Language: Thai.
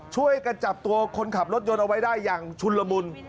ช่วยกันจับตัวคนขับรถยนต์เอาไว้ได้อย่างชุนละมุน